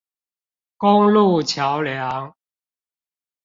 公路橋梁